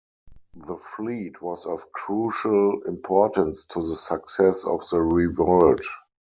The fleet was of crucial importance to the success of the revolt.